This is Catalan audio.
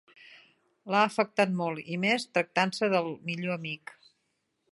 L'ha afectat molt, i més tractant-se del millor amic.